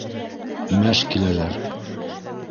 Мәж киләләр.